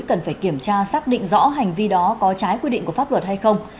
cần phải kiểm tra xác định rõ hành vi đó có trái quy định của pháp luật hay không